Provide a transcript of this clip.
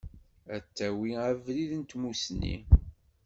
Ad tawi abrid n tmussni.